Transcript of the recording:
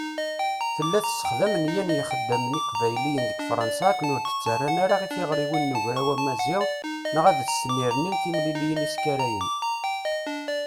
Tella tessexdam nniya n yixeddamen iqbayliyen deg Fṛansa akken ur d-ttarran ara i tiɣriwin n Ugraw Amaziɣ neɣ ad s-nerwin timliliyin iskarayen.